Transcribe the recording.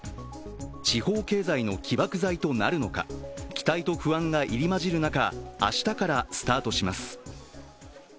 地方経済の起爆剤となるのか、期待と不安が入り混じる中、明日からスタートします。